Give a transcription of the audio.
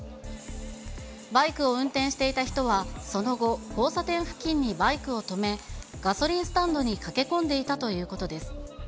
バイクを運転していた人は、その後、交差点付近にバイクを止め、ガソリンスタンドに駆け込んでいたということです。